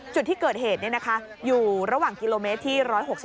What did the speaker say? จุดที่เกิดเหตุอยู่ระหว่างกิโลเมตรที่๑๖๒